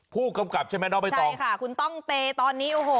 ผู้กำกับใช่ไหมน้องใบตองใช่ค่ะคุณต้องเตตอนนี้โอ้โห